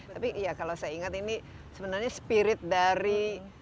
tapi ya kalau saya ingat ini sebenarnya spirit dari